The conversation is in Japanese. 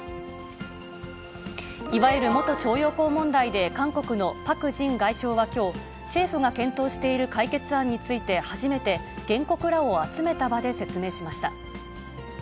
いわゆる元徴用工問題で韓国のパク・ジン外相はきょう、政府が検討している解決案について初めて、原告らを集めた場で説明しました。